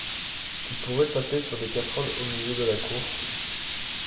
Tu pourrais taper sur des casseroles au milieu de la cour